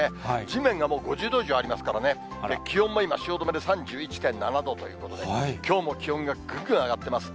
地面がもう５０度以上ありますからね、気温も今、汐留で３１．７度ということで、きょうも気温がぐんぐん上がってます。